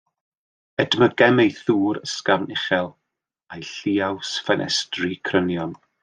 Edmygem ei thŵr ysgafn uchel a'i lliaws ffenestri crynion.